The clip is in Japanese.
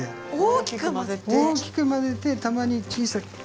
大きく混ぜてたまに小さく。